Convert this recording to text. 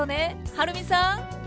はるみさん。